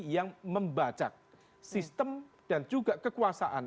yang membacak sistem dan juga kekuasaan